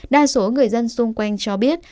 đa số người dân xung quanh cho biết